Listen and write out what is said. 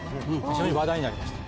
非常に話題になりました。